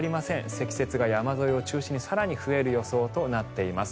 積雪が山沿いを中心に更に増える予想となっています。